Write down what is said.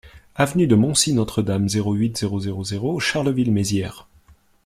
Avenue de Montcy-Notre-Dame, zéro huit, zéro zéro zéro Charleville-Mézières